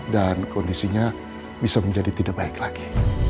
dan kondisinya bisa menjadi tidak baik lagi